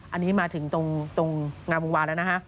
อันนี้มาถึงตรงงาวงวาทแล้ว